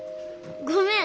ごめん。